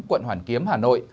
quận hoàn kiếm hà nội